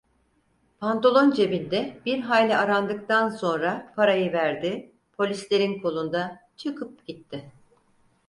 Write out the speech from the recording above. Pantolon cebinde bir hayli arandıktan sonra parayı verdi, polislerin kolunda, çıkıp gitti.